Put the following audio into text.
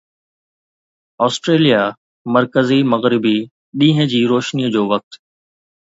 Australia مرڪزي مغربي ڏينهن جي روشني جو وقت